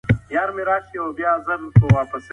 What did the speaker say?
بس دعوه یې بې له شرطه و ګټله